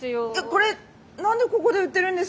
これ何でここで売ってるんですか？